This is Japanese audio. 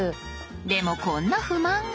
でもこんな不満が。